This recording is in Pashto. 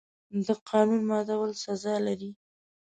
د قانون ماتول سزا لري.